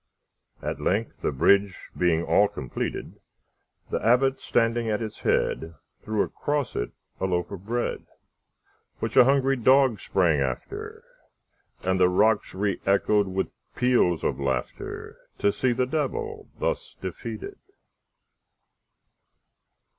At length, the bridge being all completed, The Abbot, standing at its head, Threw across it a loaf of bread, Which a hungry dog sprang after, And the rocks reëchoed with peals of laughterTo see the Devil thus defeated!